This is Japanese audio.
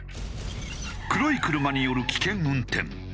黒い車による危険運転。